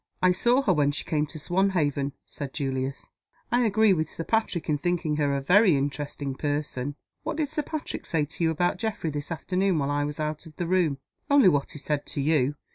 "I saw her when she came to Swanhaven," said Julius. "I agree with Sir Patrick in thinking her a very interesting person." "What did Sir Patrick say to you about Geoffrey this afternoon while I was out of the room?" "Only what he said to _you.